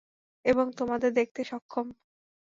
এবং তোমাদের দেখতে সক্ষম।